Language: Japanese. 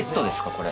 これ。